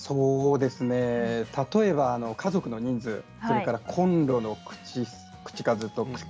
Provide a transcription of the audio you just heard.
例えば家族の人数それからコンロの口数。